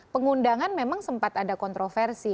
pengundangan memang sempat ada kontroversi